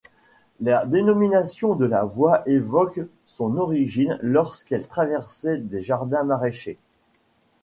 La dénomination de la voie évoque son origine lorsqu'elle traversait des jardins maraîchers.